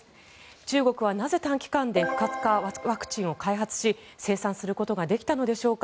中国はなぜ、短期間で不活化ワクチンを開発し生産することができたのでしょうか？